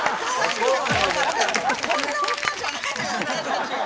こんな女じゃないのよ、私たち。